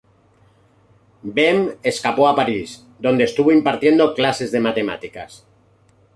Bem escapó a París, donde estuvo impartiendo clases de matemáticas.